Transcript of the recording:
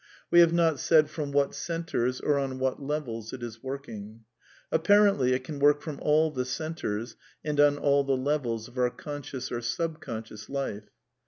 We have not said from what centres or on what levels it is working. Apparently it can work from aU the centres and on all the levels of our con* scions or subconscious life.